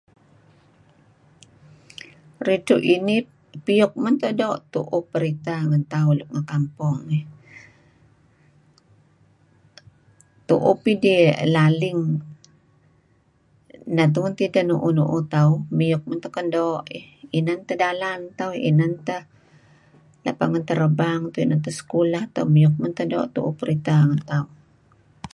Ridtu' inih piyuk mento ddo' tu'uh peritah ngan tauh luk ngi kampong eh. Tu'uh pidih laling neh tungen tideh nu'uh-nu'uh tauh, miyuk mento kan doo' eh . Inan teh dalan tauh inan teh lapangan terbang tauh, inan teh sekulah tauh, miyuk mento' tu'uh perinteh ngen tauh.